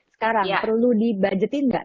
sekarang perlu dibudgetin enggak